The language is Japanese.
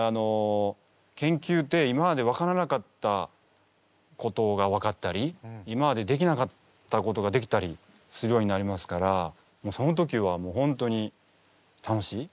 研究って今まで分からなかったことが分かったり今までできなかったことができたりするようになりますからその時はホントに楽しい。